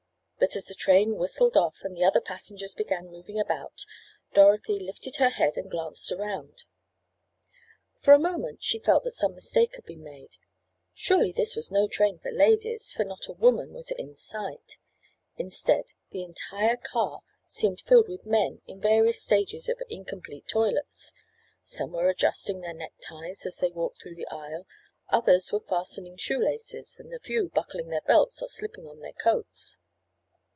But as the train whistled off, and the other passengers began moving about, Dorothy lifted her head and glanced around. For a moment she felt that some mistake had been made. Surely this was no train for ladies, for not a woman was in sight, instead the entire car seemed filled with men in various stages of incomplete toilets. Some were adjusting their neckties as they walked through the aisle, others were fastening shoe laces, and a few buckling their belts or slipping on their coats.